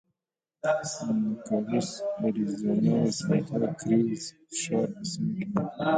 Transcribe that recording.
نوګالس اریزونا د سانتا کروز ښار په سیمه کې موقعیت لري.